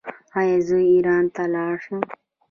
ایا زه ایران ته لاړ شم؟